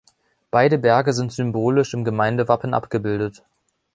Beide Berge sind symbolisch im Gemeindewappen abgebildet.